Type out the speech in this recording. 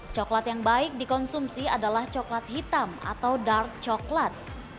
coklat yang baik dikonsumsi adalah coklat hitam atau dark coklat